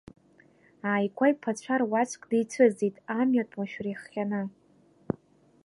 Ааигәа иԥацәа руаӡәк дицәыӡит амҩатә машәыр иахҟьаны.